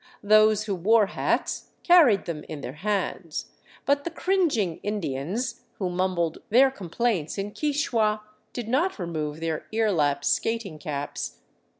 Those who wore hats carried them in their hands, but the cringing Indians, who mumbled their complaints in Quichua, did not remove their earlap " skating " caps.